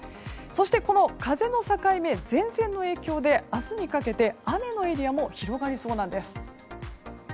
そして、風の境目前線の影響で明日にかけて雨のエリアも広がりそうなんです。